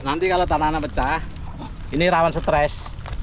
nanti kalau tanahnya pecah ini rawan stres